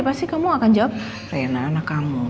pasti kamu akan jawab rena anak kamu